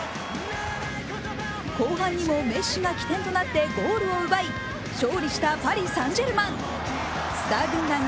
後半にもメッシが起点となってゴールを奪い勝利したパリ・サン＝ジェルマン。